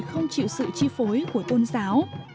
không chịu sự chi phối của tôn giáo